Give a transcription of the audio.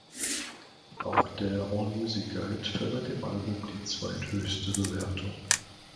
Auch der All Music Guide verleiht dem Album die zweithöchste Bewertung.